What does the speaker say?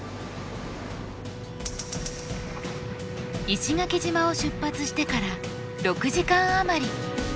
石垣島を出発してから６時間余り。